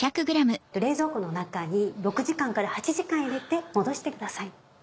冷蔵庫の中に６時間から８時間入れて戻してください。